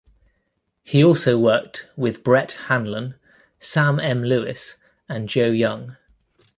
He also worked with Bret Hanlon, Sam M. Lewis, and Joe Young.